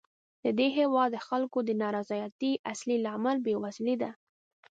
د دې هېوادونو د خلکو د نا رضایتۍ اصلي لامل بېوزلي ده.